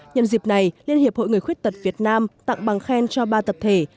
nhân dịp này liên hiệp hội người khuyết tật việt nam tặng bằng khen cho ba tập thể